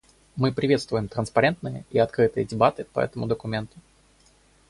Мы приветствуем транспарентные и открытые дебаты по этому документу.